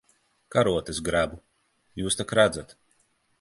Karotes grebu. Jūs tak redzat.